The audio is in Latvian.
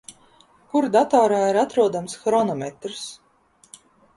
Kur datorā ir atrodams hronometrs?